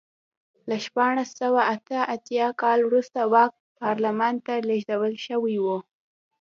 له شپاړس سوه اته اتیا کال وروسته واک پارلمان ته لېږدول شوی و.